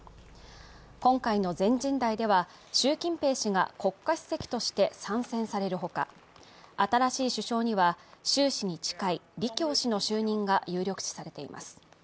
今回の全人代では、習近平氏が国家主席として３選される他、新しい首相には、習氏に近い李強氏の就任が有力視されています。